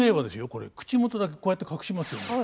これ口元だけこうやって隠しますよね。